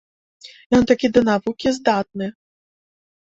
Ён такі да навукі здатны!